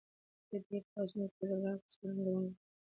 په دې پاڅون کې بزګرانو او کسبګرو ګډون وکړ.